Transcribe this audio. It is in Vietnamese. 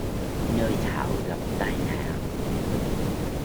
nơi thảo gặp tai nạn